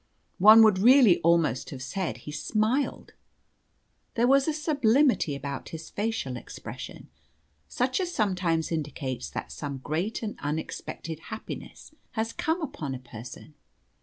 One would really almost have said he smiled. There was a sublimity about his facial expression such as sometimes indicates that some great and unexpected happiness has come upon a person.